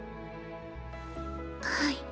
はい。